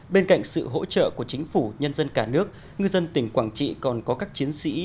bên cạnh sự hỗ trợ của chính phủ nhân dân cả nước ngư dân tỉnh quảng trị còn có các chiến sĩ